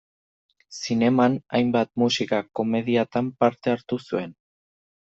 Zineman hainbat musika-komediatan parte hartu zuen.